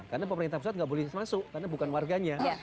karena pemerintah pusat nggak boleh masuk karena bukan warganya